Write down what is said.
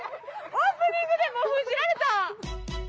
オープニングでもう封じられた！